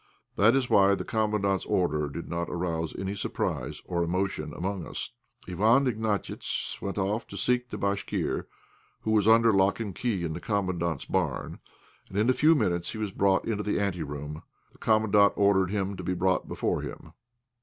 That is why the Commandant's order did not arouse any surprise or emotion among us. Iwán Ignatiitch went off to seek the Bashkir, who was under lock and key in the Commandant's barn, and a few minutes later he was brought into the ante room. The Commandant ordered him to be brought before him.